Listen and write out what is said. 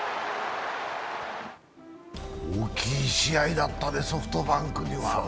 大きい試合だったね、ソフトバンクには。